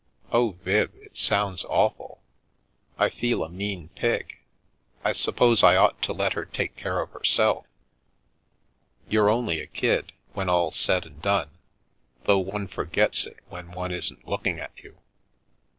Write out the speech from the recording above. " *Oh, Viv, it sounds awful! I fed a mean pig. I suppose I ought to let her take care of herself. You're only a kid, when all's said and done, though one forgets it when one isn't looking at you.